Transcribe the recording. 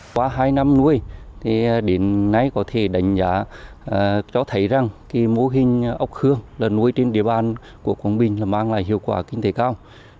qua hai năm nuôi đến nay có thể đánh giá cho thấy rằng mô hình ốc hương là nuôi trên địa bàn của quảng bình là mang lại hiệu quả kinh tế cao